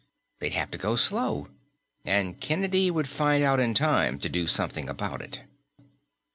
They'd have to go slow. And Kennedy would find out in time to do something about it.